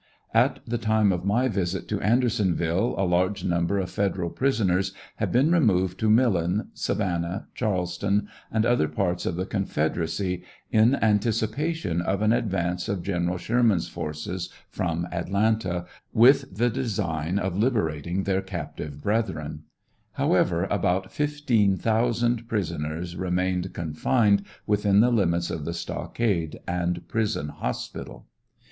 At the time of my visit to Anderson ville a large number of Federal prisoners had been removed to Millen, Savannah, Charleston, and other parts of the Confederacy, in anticipation of an advance of General Sherman's forces from Atlanta, with the design of liberating their captive bretheren; however, about fifteen thousand prisoners 176 BEBEL TESTIMONY. remained confined within the limits of the stockade and prison hos pital.